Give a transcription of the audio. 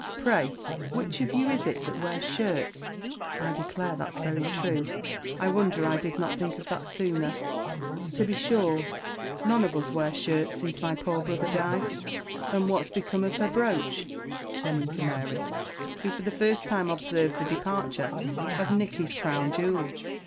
Pray, which of you is it that wears shirts?" "I declare that's very true I wonder I did not think of that sooner to be sure, none us wear shirts since my poor brother died." "And what's become of her brooch?" turning to Mary, who for the first time observed the departure of Nicky's crown jewel.